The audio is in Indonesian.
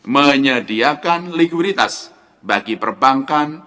menyediakan likuiditas bagi perbankan